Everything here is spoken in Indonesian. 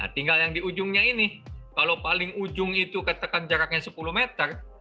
tinggal yang di ujungnya ini kalau paling ujung itu katakan jaraknya sepuluh meter